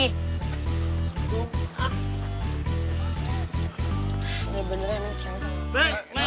ini benarnya neng